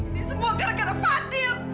ini semua gara gara fadil